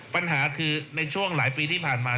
ปัญหาคือในช่วงหลายปีที่ผ่านมา